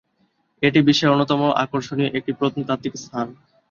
এটি বিশ্বের অন্যতম আকর্ষণীয় একটি প্রত্নতাত্ত্বিক স্থান।